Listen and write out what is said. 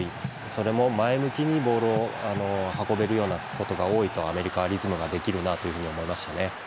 それも、前向きにボールを運べることが多いとアメリカはリズムができるなと思いました。